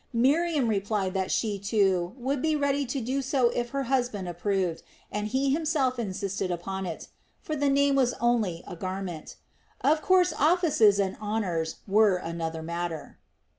Miriam replied that she, too, would be ready to do so if her husband approved and he himself insisted upon it; for the name was only a garment. Of course offices and honors were another matter.